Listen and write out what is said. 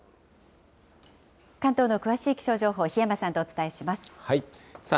関東の詳しい気象情報、檜山さんとお伝えします。